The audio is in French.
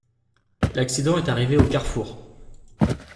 L’accident est arrivé au carrefour.